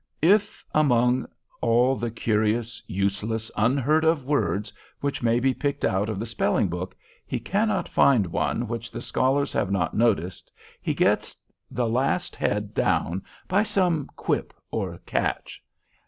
If among all the curious, useless, unheard of words which may be picked out of the spelling book, he cannot find one which the scholars have not noticed, he gets the last head down by some quip or catch.